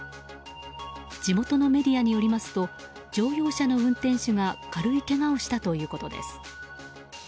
地元のメディアによりますと乗用車の運転手が軽いけがをしたということです。